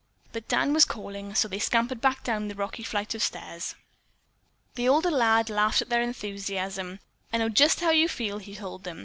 But Dan was calling and so they scampered back down the rocky flight of stairs. The older lad laughed at their enthusiasm. "I know just how you feel," he told them.